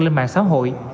lên mạng xã hội